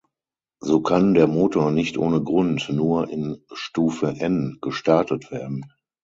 So kann der Motor nicht ohne Grund nur in "Stufe N" gestartet werden.